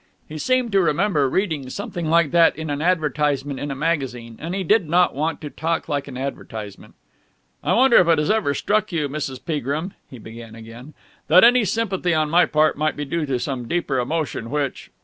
He seemed to remember reading something like that in an advertisement in a magazine, and he did not want to talk like an advertisement. "I wonder if it has ever struck you, Mrs. Peagrim," he began again, "that any sympathy on my part might be due to some deeper emotion which....